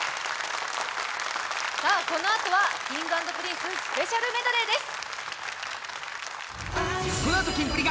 このあとは、Ｋｉｎｇ＆Ｐｒｉｎｃｅスペシャルメドレーです。